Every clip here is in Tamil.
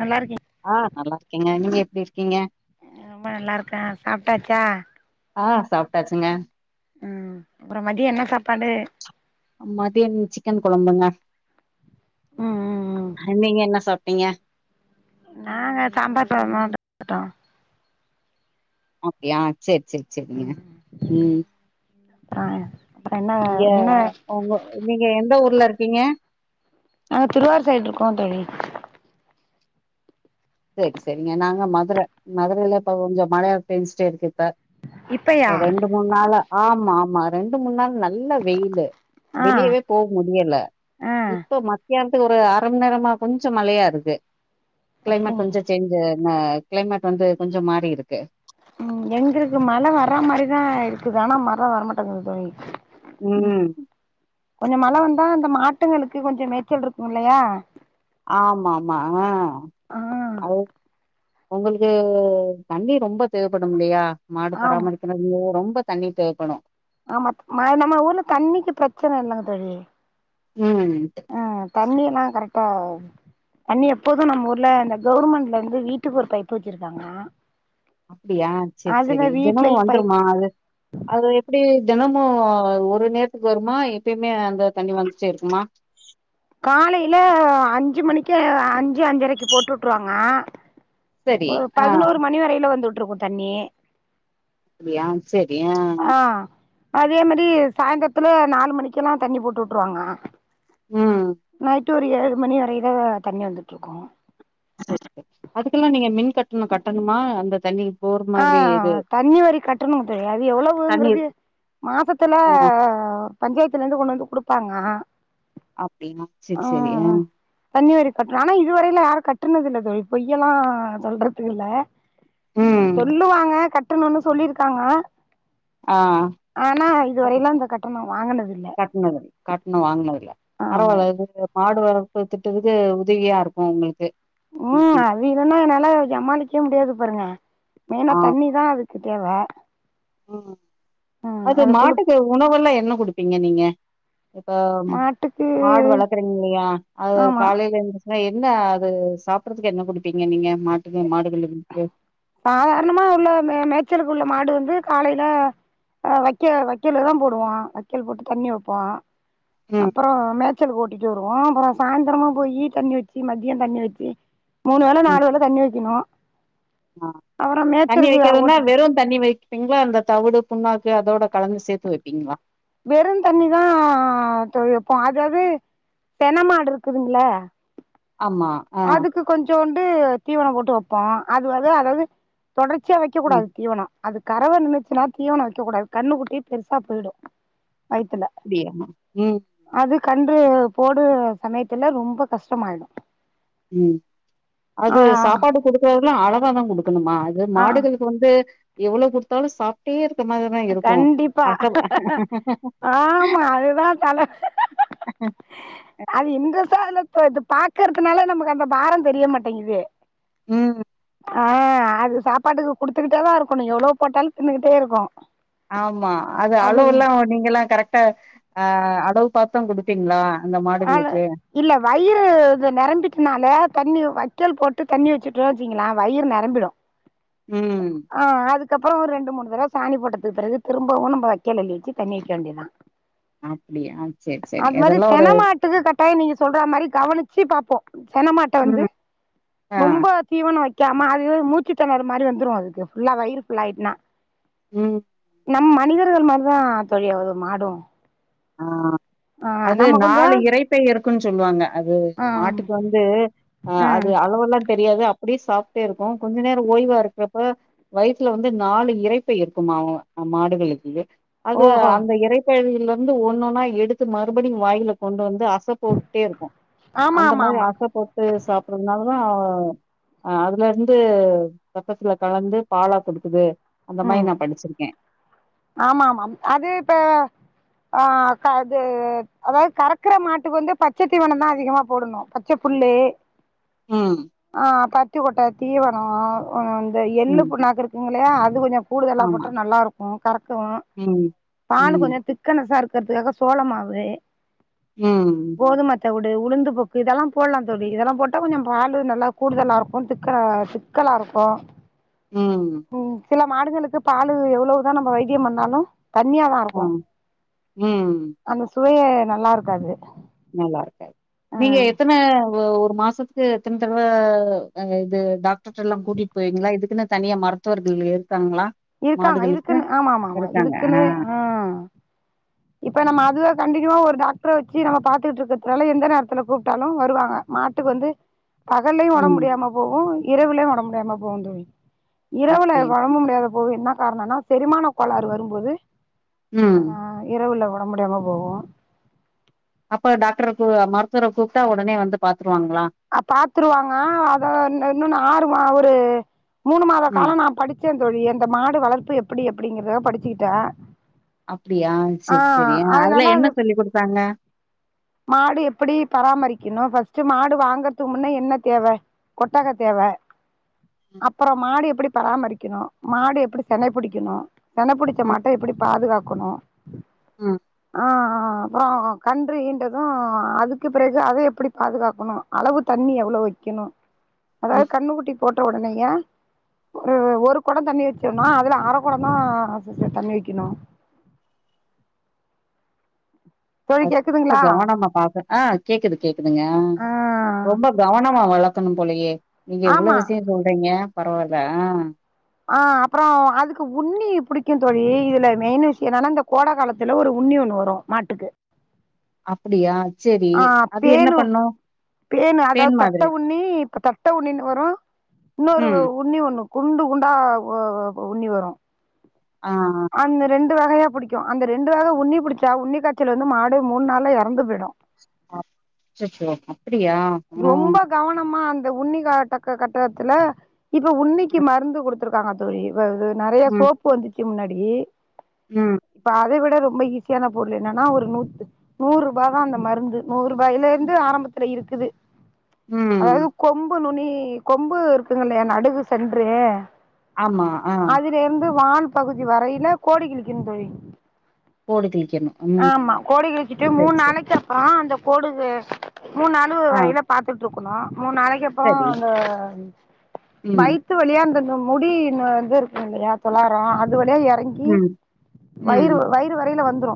நல்லா இருக்கீங் அ நல்லா இருக்கேங்க நீங்க எ ப்படி இருக்கீங்க அ ரொம்ப நல்லாருக்கே சாப்ட்டாச்சா ஆ சாப்ட்டாச்சுங்க ம் அப்றோ மதியோ என்ன சாப்பாடு ம் மதியம் சிக்கன் கொழம்புங்க ம் ம் ம் நீங்க என்ன சாப் டீங்க நாங்க சாம்பார் பழ [unintelligible] ஓகே அ செரி செரி செரிங்க ம் ம் அப்றோ அப்றோ என்ன நீங்க என்ன உங்க நீங்க எந்த ஊரு [unintelligible] இருப்பீங்க நாங்க திருவாரூர் சைட்டுருக்கோ தோழி செரி செரிங்க நாங்க மதுர மதுரையில இப்ப கொஞ்சோ மழையா பேஞ்சிட்டே இருக்கு இப்பயா [unintelligible] ரெண்டு மூண் நாளா ஆமா ஆமா ரெண்டு மூண் நாள் நல் நல்ல வெயிலு ஆ வெளியவே போவ் முடியல ஆ இப்ப மத்தியா ஒரு அரம நேர்மா கொஞ்சோ மழையா இருக்கு க்ளைமட் அப்டிங்க கொஞ்சோ சேஞ்ஜு அ க்ளைமேட் வந்து கொஞ்சோ மாறிருக்கு ம் எங்களுக்கு மழ வர்ற மாரிதா இருக்குது ஆனா மழ வரமாட்டேங்குது தோழி ம் கொஞ்சோ மழ வந்தா அந்த மாட்டுங்களுக்கு கொஞ்சோ மேச்சல்ருக்கூ இல்லையா ஆமாமா ஆ ஆ அது உங்களுக்கு தண்ணி ரொம்ப தேவப்படுமில்லையா மாடு ஆமா பராமரிக்கனு அய்யோ ரொம் ப தண்ணி தேவைப்படூ ஆமா மா நம்ம ஊர்ல தண்ணிக்கு ப்ரச்சன இல்லங்க தோழி ம் தண்ணிலா கரெக்டா தண்ணி எப்போதூ நம்மூர்ல இந்த கவுவர்மெண்ட்லேந்து வீட்டுக்கு ஒரு பைப்பு வச்சிருக்காங்க அப்டியா செர் அதுல செரி தினோ வீட்லயு பைப் வந்துருமா அது அது எப்டி தெனமோ ஒரு நேரத்துக்கு வருமா எப்பய்மே அந்த தண்ணி வந்துட்டேருக்குமா காலையில அஞ்சு மணிக்கு அஞ்சு அஞ்சரைக்கு போட்டு வுட்டுருவாங்க சரி ஒரு ஆ பதினோரு மணி வரையில வந்து உட் ட்ருக்கூ தண்ணி அப்யா செரி ஆ அதே மாரி சாயந்தரத்துல நாலு மணிக்குல்லா தண்ணி போட்டுவுட்டுருவாங்க ம் டு ஒரு ஏழு மணி வரையில தண்ணி வந்துட்ருக்கூ [unintelligible] அதுக்குலா நீங்க மின் கட்ணம் கட்டணுமா அந்த தண்ணி போற ஆ மாதிரி இது தண்ணி வரி கட்டணு [unintelligible] அது தண்ணி எவ்வளவுங்குறது மாசத்துல ஆ பஞ்சாயத்துலேந்து கொண்டு வந்து குடுப்பாங்ளா அப்டியா ஆ செரி செரி ஆ தண்ணி வரி கட்றோ ஆனா இதுவரைலு யாரு கட்டுனது இல்ல தோழி பொய்யெல்லா சொல்றத்துக்கு இல்ல ம் சொல்லுவாங்க கட் ட்டணுனு சொல்லிருக்காங்க ஆ ஆனா அது இதுவரையில அந்த கட்டணோ வாங்குனது இல்ல கட்னதுல்ல கட்ன வாங்கனதுல்ல ஆமா பரவால்ல இது ஆடு வளப்பு திட்டத்துக்கு உதவியா இருக்கு உங்குளுக்கு ம் அது இல்லனா என்னால ஜமாலிக் [inaudible] முடியாது பாருங்க மெய்னா ஆ தண்ணி தா அதுக்கு தேவ ம் ம் அது குளு மாட்டுக்கு உணவெல்லா என்ன குடுப் பிங்க நீங்க இப்ப மாட்டுக்கு மாடு வளக்குறீங்க இல்லையா அத ஆமா காலேல எந்திச் அ என்ன அது சாப்படறதுக்கு என்ன குடுப்பிங்க நீங்க மாட்டுக்கு மாடுகளுக்கு சாதாரணமா உள்ள மே மேச்சலுக்குள்ள மாடு வந்து காலைல வைக்க வைக்கலுதா போடுவோ வைக்கெல் போட்டு தண்ணி வெப்போ ம் அப்பறோ மேச்சலுக்கு ஓட்டிட்டு வ ந்துருவோ அப்றோ சாய்ந்தரமா போயி தண்ணி வச்சு மதிய தண்ணி வச்சு மூணு வேல நாலு வேல தண்ணி வெக்கணு அ தண்ணி வெக்கறதுனா வெறு தண்ணி வை பிங்ளா அந்த தவுடு புண்ணாக்கு அதோட கலந்து சேத்து வெப்பிங்ளா வெறுந்தண்ணிதா தொ வெப்போ அதாது சென மாடு இருக்குதுங்ள ஆமா அ ட்டு தீவன போட்டு வப்போ அது வந்து அதாது தொடர்ச்சியா வெக்க ம் கூடாது தீவன அது கறவ நின்னுச்சுனா தீவன வெக்க கூடாது கண்ணு குட்டி பெருசா போயிடு நைட்டுல அப்டியா ம் அது கன் து போடு சமயத்துல ரொம்ப கஷ்டமாயிடு ம் ஆ அது சாப்பாடு குடுக்றதெல்லா அள வாதாங்குடு கணுமா அது ஆ மாடுகளுக்கு வந்து எவ்ளோ குடுத்தாலு சாப்ட்டே மாரி தான் இருக்கும் கண்டிப்பா அச ஆமா அதுதா தல அது இன்ற சாலப் போ இது பாக்கறதுனால நமக்கு அந்த பாரந்தெரிய மாட்டேங்கிது ம் ஆ அது சாப்பாட்டுக்கு குடுத்துக்கிட்டே தா இருக்கணூ எவ்ளோ போட்டாலூ தின்னுகிட்டே இருக்கூ ஆமா அது அளவுல்லா நீங்கல்லா கரெக்டா ஆ ளவு பாத்த்தா குடுப்பீங்களா அந்த ஆ மாடுகளுக்கு இல்ல வயிறு இது நெரம்பிட்டுனாலே தண்ணி வக்கேல் போட்டு தண்ணி வச்சுட்டோ வச்சுங்கிளே வயிறு நெரம்பிடூ ம் கப்றோ ஒரு ரெண்டு மூணு தடவ சாணி போட்டதுக் பிறகு திரும்பவூ நம்ம வக்கேல் அள்ளி வச்சு தண்ணி வெக்க வேண்டிதா அப்டியா சேர் செரி அதெல்லா செனமாட்டுக்கு கட்டாயோ நீங்க சொல்ற மாரி கவனிச்சு பாப்போ செனமாட்ட வந்து ம் ஆ ரொம்ப தீவனோ வெக் க்காம அது மூச்சித்தெணறல் மாரி வந்துரூ அதுக்கு ஃபுல்லா வயிறு ஃபுல் ஆயிட்டுனா ம் நம் மனிதர்கள் மாரிதா தோழி அது மாடும் ஆ ஆ, அது நமக் நாலு இரைப்பை இருக்குன்னு சொல்லுவாங்க அது ஆ மாட்டுக்கு வந்து அ அது ம் அளவெல்லா தெரியாது அ அப்டியே சாப்ட்டே இருக்கு, கொஞ்ச நேரோ ஓய்வா இருக்கறப்ப வயித்துல வந்து நாலு இரைப்பை இருக்கும்மா மாடுகளுக்கு அது ஓஹோ அந்த இரைப்பையி ந்து ஒன்னொன்னா எடுத்து மறுபடியு வாயில கொண்டு வந்து அச போட்டே இருக்கு, ஆமா அந்த ஆமா மாரி ஆமா அச போட்டு சாப்புட்றதுனால தா அதுல இருந்து ரெத்தத்துல கலந்து பாலா குடுக்குது அந்தமாரி நா படிச்சிருக்கே ஆமாமா அது இப்ப ஆ, க அது அதாவது கறக்கற மாட்டுக்கு வந்து பச்ச தீவனம்தா அதிகமா போடணு, பச்ச புல்லு ம் ஆ பருத்தி கொட்ட தீவனம் ம் இந்த எள்ளு ம் புண்ணாக்கு இருக்குமில்லையா அது கொஞ்சம் கூடுதலா ஆமா போட்ட நல்லாயிருக்கும் கறக்கவும் ம் பாலு ம் கொஞ்சம் திக்கனசா இருக் அதுக்கு பிறகு சோளமாவு ம் தவுடு உளுந்துபக்கு இதெல்லாம் போடலாம் தோழி இதெல்லாம் போட்டா கொஞ்சம் பால் நல்லா கூடுதலா இருக்கும் திக்க திக்கலா இருக்கும் ம் சில மாடுகளுக்கு பாலு எவ்வளவு தான் நம்ம வைத்தியம் பண்ணாலும் தண்ணியாதான் ஆ இருக்கும் ம் அந்த இதுவே நல்லா இருக்காது. நல்லா இருக்காது ஆ நீங்க எத்தனை ஒரு மாசத்துக்கு எத்தனை தடவை இது டாக்டர் எல்லாம் கூட்டிட்டு போவீங்களா இதுக்குன்னு தனியா மருத்துவர்கள் இருக்காங்களா? இருக்காங்க மாடுகளுக்கு? இதுக்குன்னு ஆமா ஆமா ஆமா இதுக்குன்னு ஆ இப்ப நம்ம அதுவே சந்திக்கவே ஒரு டாக்டரை வச்சு நம்ம பார்த்துக்கிட்டு இருக்கறதுனால எந்த நேரத்துல கூப்பிட்டாலும் வருவாங்க மாட்டுக்கு வந்து பகல்லையும் உடம்பு ம் முடியாம போகும் இரவுலையும் உடம்பு அந்தம்மா போன்னு இரவுல அப்டி வரம்பு முடியாத போகுது என்ன காரணம்னா செரிமான கோளாறு வரும்போது ம் இரவுல உடம்பு முடியாம போவும் அப்ப டாக்டர மருத்துவரை கூப்பிட்டா உடனே வந்து பார்த் அ பாத்துருவாங்க அத இன்னொன்னு ஆறு து மூணு மாத கால ம் நா படிச்சே தோழி அந்த மாடு வளர்ப்பு எப்படி அப்படிங்கறதுல படிச்சுக்கிட்டே அப்டியா செரி செரி ஆஹ் ஆ அதுல அதனால என்ன அது சொல்லி் குடுத்தாங்க? மாடு எப்படி பராமரிக்கணு ஃபஸ் ட் மாடு வாங்கறதுக்கு முன்ன என்ன தேவை கொட்டாக தேவை அப்புறம் மாடு எப்படி பராமரிக்கணு மாடு எப்படி செனை புடிக்கணு சென புடிச்ச ம் மாட்டை எப்படி பாதுகாக்கணு ம் ஆஹ் அப்புறம் கன்று ஈண்டது அதுக்கு பிறகு அத எப்படி பாதுகாக்கணு அளவு தண்ணி எவ்வளவு வைக்கணு அதாவது ம் கண்ணு குட்டி போட்ட உடனேங்க ஒரு ஒரு கொட தண்ணி வச்சோன்ன அதுல அர குடந்தா தண்ணி வைக்கணு தோழி அ ரொம்ப கேக்குதுங்களா கவனமா பாக்கனு ஆஹ் கேக்குது கேக்குதுங்க ஆ ரொம்ப கவனமா வள க்கணும் போலயே நீங்க இவ்வளவு ஆமா விஷய சொல்றீங்க. பரவால்ல அ ஆஹ் அப்புறம் அதுக்கு உன்னி புடிக்குந் தோழி இதுல மெயின் விஷய என்னன்னா இந்த கோட காலத்துல ஒரு உன்னி ஒண்ணு வரு மாட்டுக்கு அப்படியா ஆஹ் பேனு பேனு பேன் அதாவது மாதிரி தட்ட உண்ணி இப்ப தட்ட உண்ணின்னு வரு இன்னொரு ம் உண்ணி ஒண்ணு குண்டு குண்டா உ உண்ணி வரு ஆஹ் டு வகையா புடிக்கு அந்த ரெண்டு வகை உன்னி புடிச்சா உன்னி காய்ச்ச வந்து மாடே மூணு நாள்ல எறந்து போயிடு அச்சச்சோ அப்படியா உம் இந்த உன்னி காலகட்டடத்துல இப்ப உன்னிக்கு மருந்து கொடுத்து த்திருக்காங்க தோழி வ நறைய ம் சோப்பு வந்துச்ச இதுக்கு முன்னாடி ம் இப்ப அதை விட ரொம்ப ஈசி [unintelligible] ஒரு நூத்து நூறு இவ்ள தா அந்த மருந்து நூறு ரூபாயில இருந்து ஆரம்பத்துல இருக்கு குது ம் அதாவது கொம்பு நுனி கொம்பு இருக்குங்கல்லயா நடுகு சென்று ஆமா ஆஹ் [unintelligible] பகுதி வரையில கோடி கிழிக்கனு தோழி கோடு கிழிக்கணு ம் ஆமா கோடி கிழிச்சிட்டு சரி மூணு சரி நாளிக்கு அப்புறம் அந்த போடுங்க மூணு நாள் ஆ வரையில பாத்துட்டு இருக் அன்இன்டெலிஜபிள் மூணு நாளைக்கு அப்புறம் சரி அந்த ம் வயத்து வழியா இருந்த முடி வந்து இருக்குது இல்லியா துளாரம் அது வழியா இறங்கி ம் வயிறு ம் வயிறு வரையில வந்து துறு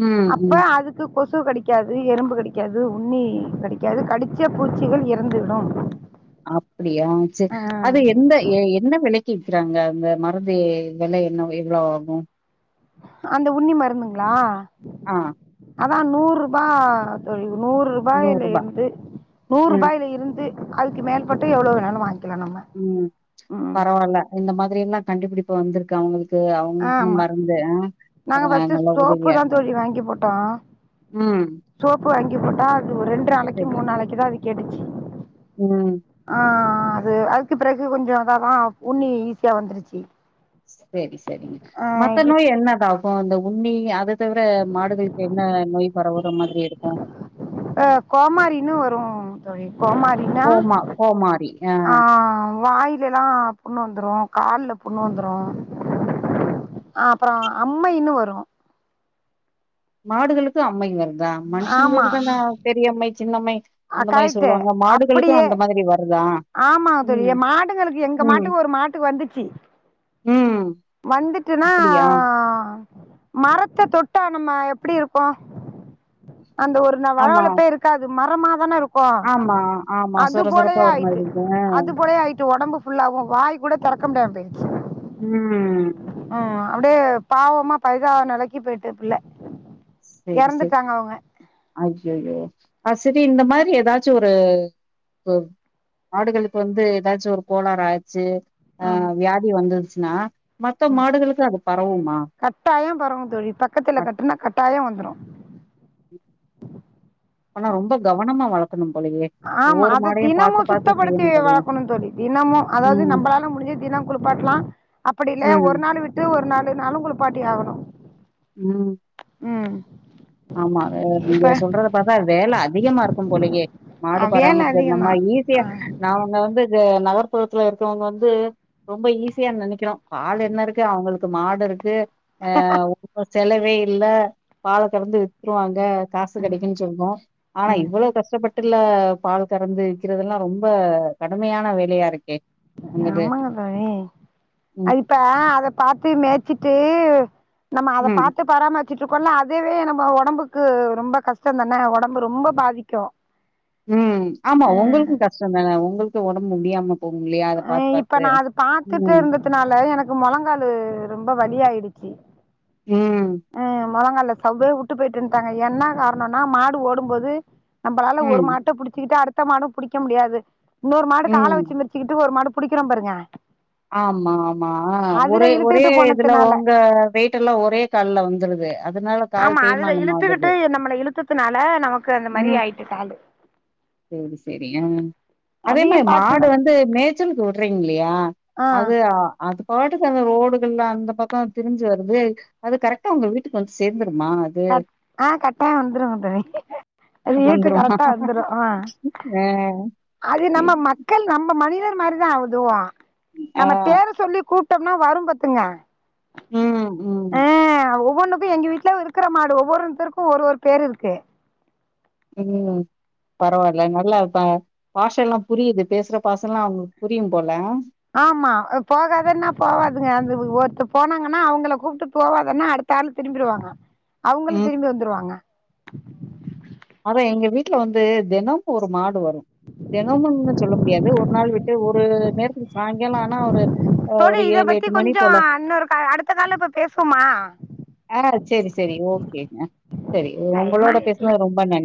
ம் அப்ப ம் அதுக்கு கொசு கடிக்காது எறும்பு கடிக்காது உண்ணி கடிக்காது கடிச்ச பூச்சிகள் இறந்துவிடும் அப்பிடியா செரி அது ஆஹ் எந்த என்ன விலை க்கிறாங்க அந்த மருந்து விலை என்ன எவ்ளோ ஆகும் அந்த உண்ணி மருந்துங்களா ஆஹ் அதா நூறு ரூபா தோழி நூறு ரூபாயில நூறுபா இருந்து நூறு ம் ரூபாயில இருந்து அதுக்கு மேற்பட்டு எவ்ளோ வோணுனாலு வாங்கி உம் பரவாயில்ல இந்த மாதிரி எல்லா கண்டுபிடிப்ப வந்திருக்கு அவங்களுக்கு அவங்களுக்குன்னு ஆமா மருந்து அ நாங்க பஸ்ட்டு நல்ல சோப்பு உதவியா தா இருக்கு தோழி வாங்கி போட்டோம் ம் சோப்பு வாங்கி போட்டா அது ரெண்டு நாளைக்கு மூணு நாளைக்கு தா அ கேட்டுச்சு உம் ஆ அது அதுக்கு பிறகு கொஞ்சோ அதாதா உண்ணி ஈஸியா வந்துருச்சு ச சேரி சேரிங்க ஆ மத்த இப் நோய் என்னதா இப்ப அந்த உண்ணி அத தவிர மாடுகளுக்கு என்ன நோய் பரவுற மாதிரி இருக்கு அஹ கோமாரினு வரும் தோழி கோமாரினா கோமா கோமாரி ஆ ஆஹ் வாய்லல்லா புண்ணு வந்துறு கால்ல புண்ணு வந்துறு உம் ஆஹ் அப்றோ அம்மா இன்னு வருவாங் மாடுகளுக்கு அம்மா இங்க வரனு அதா ஆமா மனுஷங்களுக்குதான பெரியம்மை சின்னம்மை அ அந்த மாரி கரெக்ட்டு சொல்லுவாங்க மாடுகளுக்கு அந்த மாதிரி வருதா ஆமாங் அது எங்க ம் மாடுங்களுக்கு எங்க மாட்டுக்கு ஒரு மாட்டுக்கு வந்துச்சு உம் வந்துட்டுனா மரத்த தொட்டா நம்ம எப்டி இருக்கோ அந்த ஒரு நேர ஆமா வழவழப்பே இருக்காது மரமா தானே இருக் கு ஆமா ஆமா அது சொர சொரப்பா போலயே ஒரு மாதிரி ஆயிட்டு இருக்கு அது போலே ஆயிட்டு ஒடம்பு ஃபுல்லாவு வாய் கூட தொரக் கம்ப வந்துருச்சு உம் அப்டே பாவமா பரிதாவ நெலைக்கி போயிட்டு பிள்ள சேரி சேரி இறந்துட்டாங்க அவங்க ஐயயோ அது செரி இந்த மாதிரி எதாச்சு ஒரு ஒரு மாடுகளுக்கு வந்து எதாச்சு ஒரு கோளறு ஆச்சு ஆஹ் வியாதி வந்துருச்சு னா உம் கட்டாய பரவு தோழி பக்கத்துல கட்டுனா கட்டாய வந்துரு உம் ஆனா ரொம்ப கவனமா வள ஆமா அத தினமு பாத்து சுத்தப்படுத்தி செய்யணும் போலயே வளக்கணும் தோழி தினமு அதாவ்து ம் நம்பளால முடிஞ்சு தின குளிப்பாட்லா அப்டி இல்லயா ம் ஒரு நாள் விட்டு ஒரு நாள் நாளு குளிப்பாட்டி ஆகணு உம் உம் ஆமா அஹ் நீங்க சொல்றத பாத்தா வேல அதிகமா இருக்கும் போலயே அ மாடு வேலை பராமரிக்கிறது நம்ம அதிகம்தான் ஆ ஈசியா நாங்கலா வந்து பே இப்ப நகர்ப்புறத்துல இருக்கவ்ங்க வந்து ரொம்ப ஈஸியா நெனைக்கிறோ பால் என்ன இருக்கு அவ்ங்களுக் க்கு மாடு இருக்கு ஆஹ் பிகாஸ் செலவே இல்ல பாலு கறந்து வித்ருவாங்க காசு கெடைக்குன் சொல்வோ ஆனா ம் இவ்ளோ கஷ்டப்பட் வீட்டுல பால் கறந்து விறக்கிறதெல்லா ரொம்ப கடுமையான வேலையா இருக்கே உங்கது ஆமாங்க தானே ம் அதுப்ப அத பாத்து மேச்சுட்டு நம்ம அத ம் பாத்து பராமரி வெச்சுட்டு இருக்கோம்ல அதவே நம ஒடம்புக்கு ரொம்ப கஷ்டம் தான ஒடம்பு ரொம்ப பாதிக்கு உம் ஆமா உங்களுக்கு கஷ்டம் தான உங்களுக்கு ஒடம்பு முடியாம போகு இல்லையா அத பாத்து அஹ் இப்ப பாத்து நா அது பாத்துட்டு ம் இருந்ததுனால எனக்கு மெழங்காலு ரொம்ப வழியாயிடுச்சு உம் மெழங்கால்ல சவ்வே விட்டு போயிட்டுன்டாங்க என்ன காரணம்னா மாடு ஓடும்போது நம்மளால ஒரு ம் மாட்ட புடிச்சிகிட்டு அ டுத்த மாடு புடிக்க முடியாது இன்னொரு மாடு கால ம் வெச்சு மிதிச்சுக்கிட்டு ஒரு மாடு புடுக்கிறோ பாருங்க ஆமா ஆமா அதுல ஒரே ஒரே இழுத்துக்கிட்டு இதுல போனதுனால உங்க வெயிட் எல்லா ஒரே கால்ல வந்துருது அதனால கால் ஆமா அதுல தேய்மானம் ஆகுது இழுத்துக்கிட்டு நம்மள இழுத்துத்துனால நமக்கு அந்த மாரி ம் ஆய்ட்டு காலு சேரி சேரி ஆஹ் அதே அதையு மாரி மாடு பாத்துதா வந்து மேச்சலுக்கு விட்டி இல்லியா ஆ அது அது பாட்டுக்கு அந்த ரோடுகள்லாம் அந்த பக்கம் திரிஞ்சு வருது அது கரெக்டா உங்க வீட்டுக்கு வந்து சேர்ந்து க ஆஹ் கரெக்டா வந்துருங்க தோழி அது வீட்டு வந்துருமா கரெக்டா வந்துரும் ஆஹ் ஆ அது சரி. நம்ம மக்கள் நம்ம மனிதன் மாரிதா அதுவு ஆ நம்ம பேர சொல்லி கூப்பி விட்டோம்னா வரும் பாத்துங்க உம் ஆஹ் ஒவ்வொன்னுக் எங்க வீட்ல இருக்கிற மாடு ஒவ்வொருத்தருக்கு ஒரு ஒரு பேரு இருக்கு உம் பரவாயில்ல நல்லா பாஷ எல்லா புரியிது பேசுற பாஷலா எல்லா புரியும் போல ஆமா போகாதன்னா போவாதுங்க அது ஒருத்தர் போனாங்கன்னா அவங்கள கூப்பிட்டு போவாதன்னா அடுத்த ஆள் திரும்பிடுவாங்க அவங்களும் ம் திரும்பி வந்துருவாங்க அதா எங்க வீட்டுல வந்து தெனமு ஒரு மாடு வரும் தினமுனு சொல்ல முடியாது ஒரு நாள் விட்டு ஒரு நேரத்துக்கு சாயங்காலம் ஆனா ஒரு தோழி ஒரு இத ஏழு பத்தி எட்டு மணி கொஞ்சோ போல இன்னொரு அடுத்த கால்ல இப்ப பேசுவோமா ஆஹ செரி செரி ஓகே சரி டைம் உங்களோட ஆயிட்டு பேசுனது ரொம்ப நன்றி